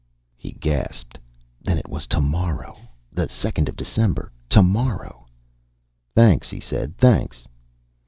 He gasped. Then it was tomorrow! The second of December! Tomorrow! "Thanks," he said. "Thanks."